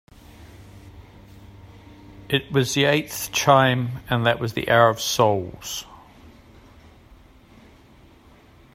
It was the eighth chime and that was the hour of souls.